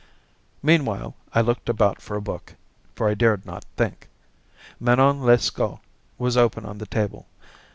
Meanwhile I looked about for a book, for I dared not think. Manon Lescaut was open on the table.